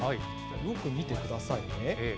よく見てくださいね。